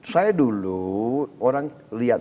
saya dulu orang lihat